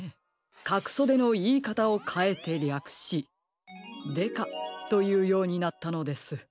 「かくそで」のいいかたをかえてりゃくし「デカ」というようになったのです。